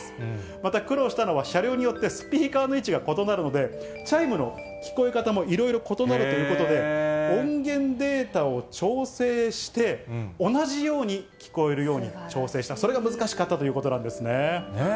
また苦労したのは、車両によってスピーカーの位置が異なるので、チャイムの聞こえ方もいろいろ異なるということで、音源データを調整して、同じように聞こえるように調整した、それが難しかったということなんですね。